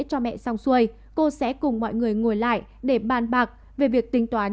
cho mẹ xong xuôi cô sẽ cùng mọi người ngồi lại để bàn bạc về việc tính toán